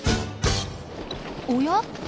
おや？